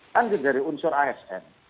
kan dari unsur asn